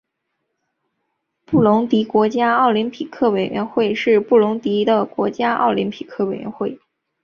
布隆迪国家奥林匹克委员会是布隆迪的国家奥林匹克委员会。